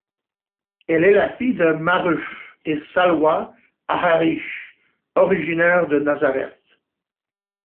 Elle est la fille de Maaruf et Salwa Aharish, originaires de Nazareth.